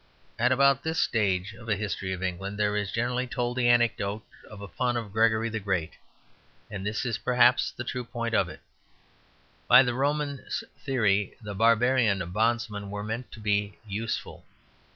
At about this stage of a history of England there is generally told the anecdote of a pun of Gregory the Great; and this is perhaps the true point of it. By the Roman theory the barbarian bondmen were meant to be useful.